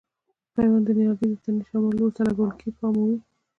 پیوند د نیالګي د تنې شمال لوري ته لګول کېږي پام مو وي.